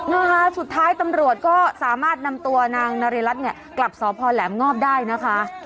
นะคะสุดท้ายตำรวจก็สามารถนำตัวนางนาริรัตนเนี่ยกลับสพแหลมงอบได้นะคะ